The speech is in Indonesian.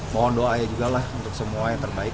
mohon doa ya juga lah untuk semua yang terbaik